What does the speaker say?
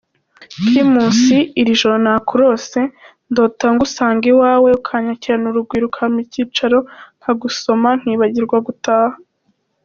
Primus, Iri joro nakurose, ndota ngusanga iwawe ukanyakirana urugwiro ukampa icyicaro, nkagusomaaaaaa nkibagirwa gutaha.